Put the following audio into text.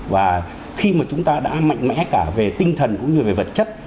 và khi mà chúng ta đã mạnh mẽ cả về tinh thần cũng như về vật chất